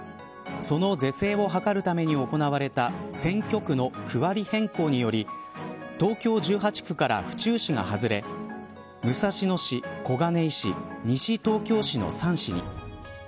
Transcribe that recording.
その是正を図るために行われた選挙区の区割り変更により東京１８区から府中市が外れ武蔵野市、小金井市西東京市の３市に。